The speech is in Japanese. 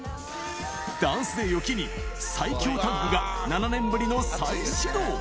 ＤＡＮＣＥＤＡＹを機に、最強タッグが７年ぶりの再始動。